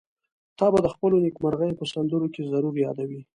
تا به د خپلو نېکمرغيو په سندرو کې ضرور يادوي.